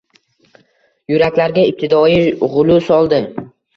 Yuraklarga ibtidoiy g’ulu soldi.